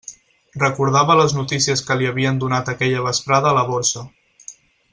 Recordava les notícies que li havien donat aquella vesprada a la Borsa.